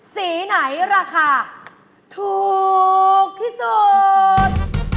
สีไหนราคาถูกที่สุด